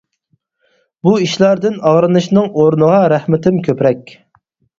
بۇ ئىشلاردىن ئاغرىنىشنىڭ ئورنىغا رەھمىتىم كۆپرەك.